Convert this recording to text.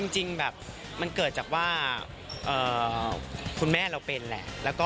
จริงแบบมันเกิดจากว่าคุณแม่เราเป็นแหละ